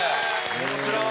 面白い。